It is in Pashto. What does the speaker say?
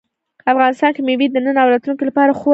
افغانستان کې مېوې د نن او راتلونکي لپاره خورا ارزښت لري.